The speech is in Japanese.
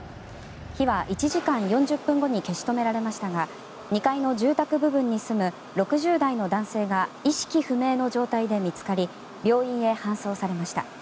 火は１時間４０分後に消し止められましたが２階の住宅部分に住む６０代の男性が意識不明の状態で見つかり病院へ搬送されました。